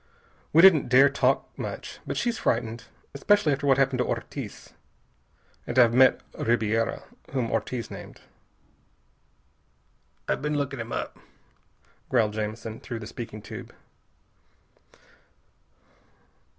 We didn't dare to talk much, but she's frightened. Especially after what happened to Ortiz. And I've met Ribiera, whom Ortiz named." "I've been looking him up," growled Jamison through the speaking tube.